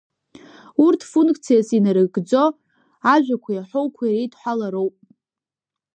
Урҭ функциас инарыгӡо ажәақәеи аҳәоуқәеи реидҳәалароуп.